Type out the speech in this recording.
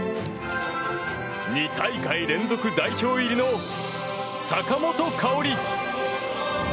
２大会連続代表入りの坂本花織。